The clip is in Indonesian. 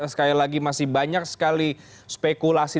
sekali lagi masih banyak sekali spekulasi